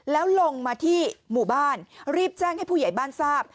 แล้วลงมาที่หมู่บ้านรีบแจ้งให้ผู้ใหญ่บ้านทราบ